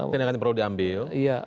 tindakan yang perlu diambil